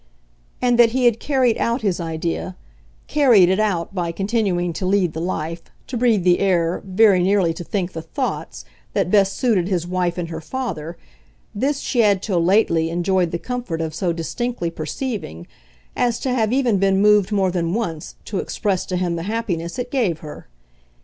And that he had carried out his idea, carried it out by continuing to lead the life, to breathe the air, very nearly to think the thoughts, that best suited his wife and her father this she had till lately enjoyed the comfort of so distinctly perceiving as to have even been moved more than once, to express to him the happiness it gave her.